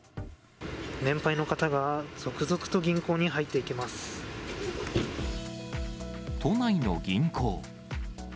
年配の方が、続々と銀行に入都内の銀行。